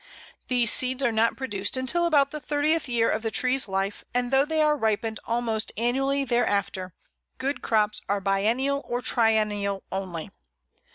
These seeds are not produced until about the thirtieth year of the tree's life, and though they are ripened almost annually thereafter, good crops are biennial or triennial only.